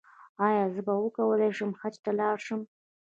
ایا زه به وکولی شم حج ته لاړ شم؟